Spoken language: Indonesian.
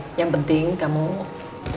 menurutmu aku sangat anything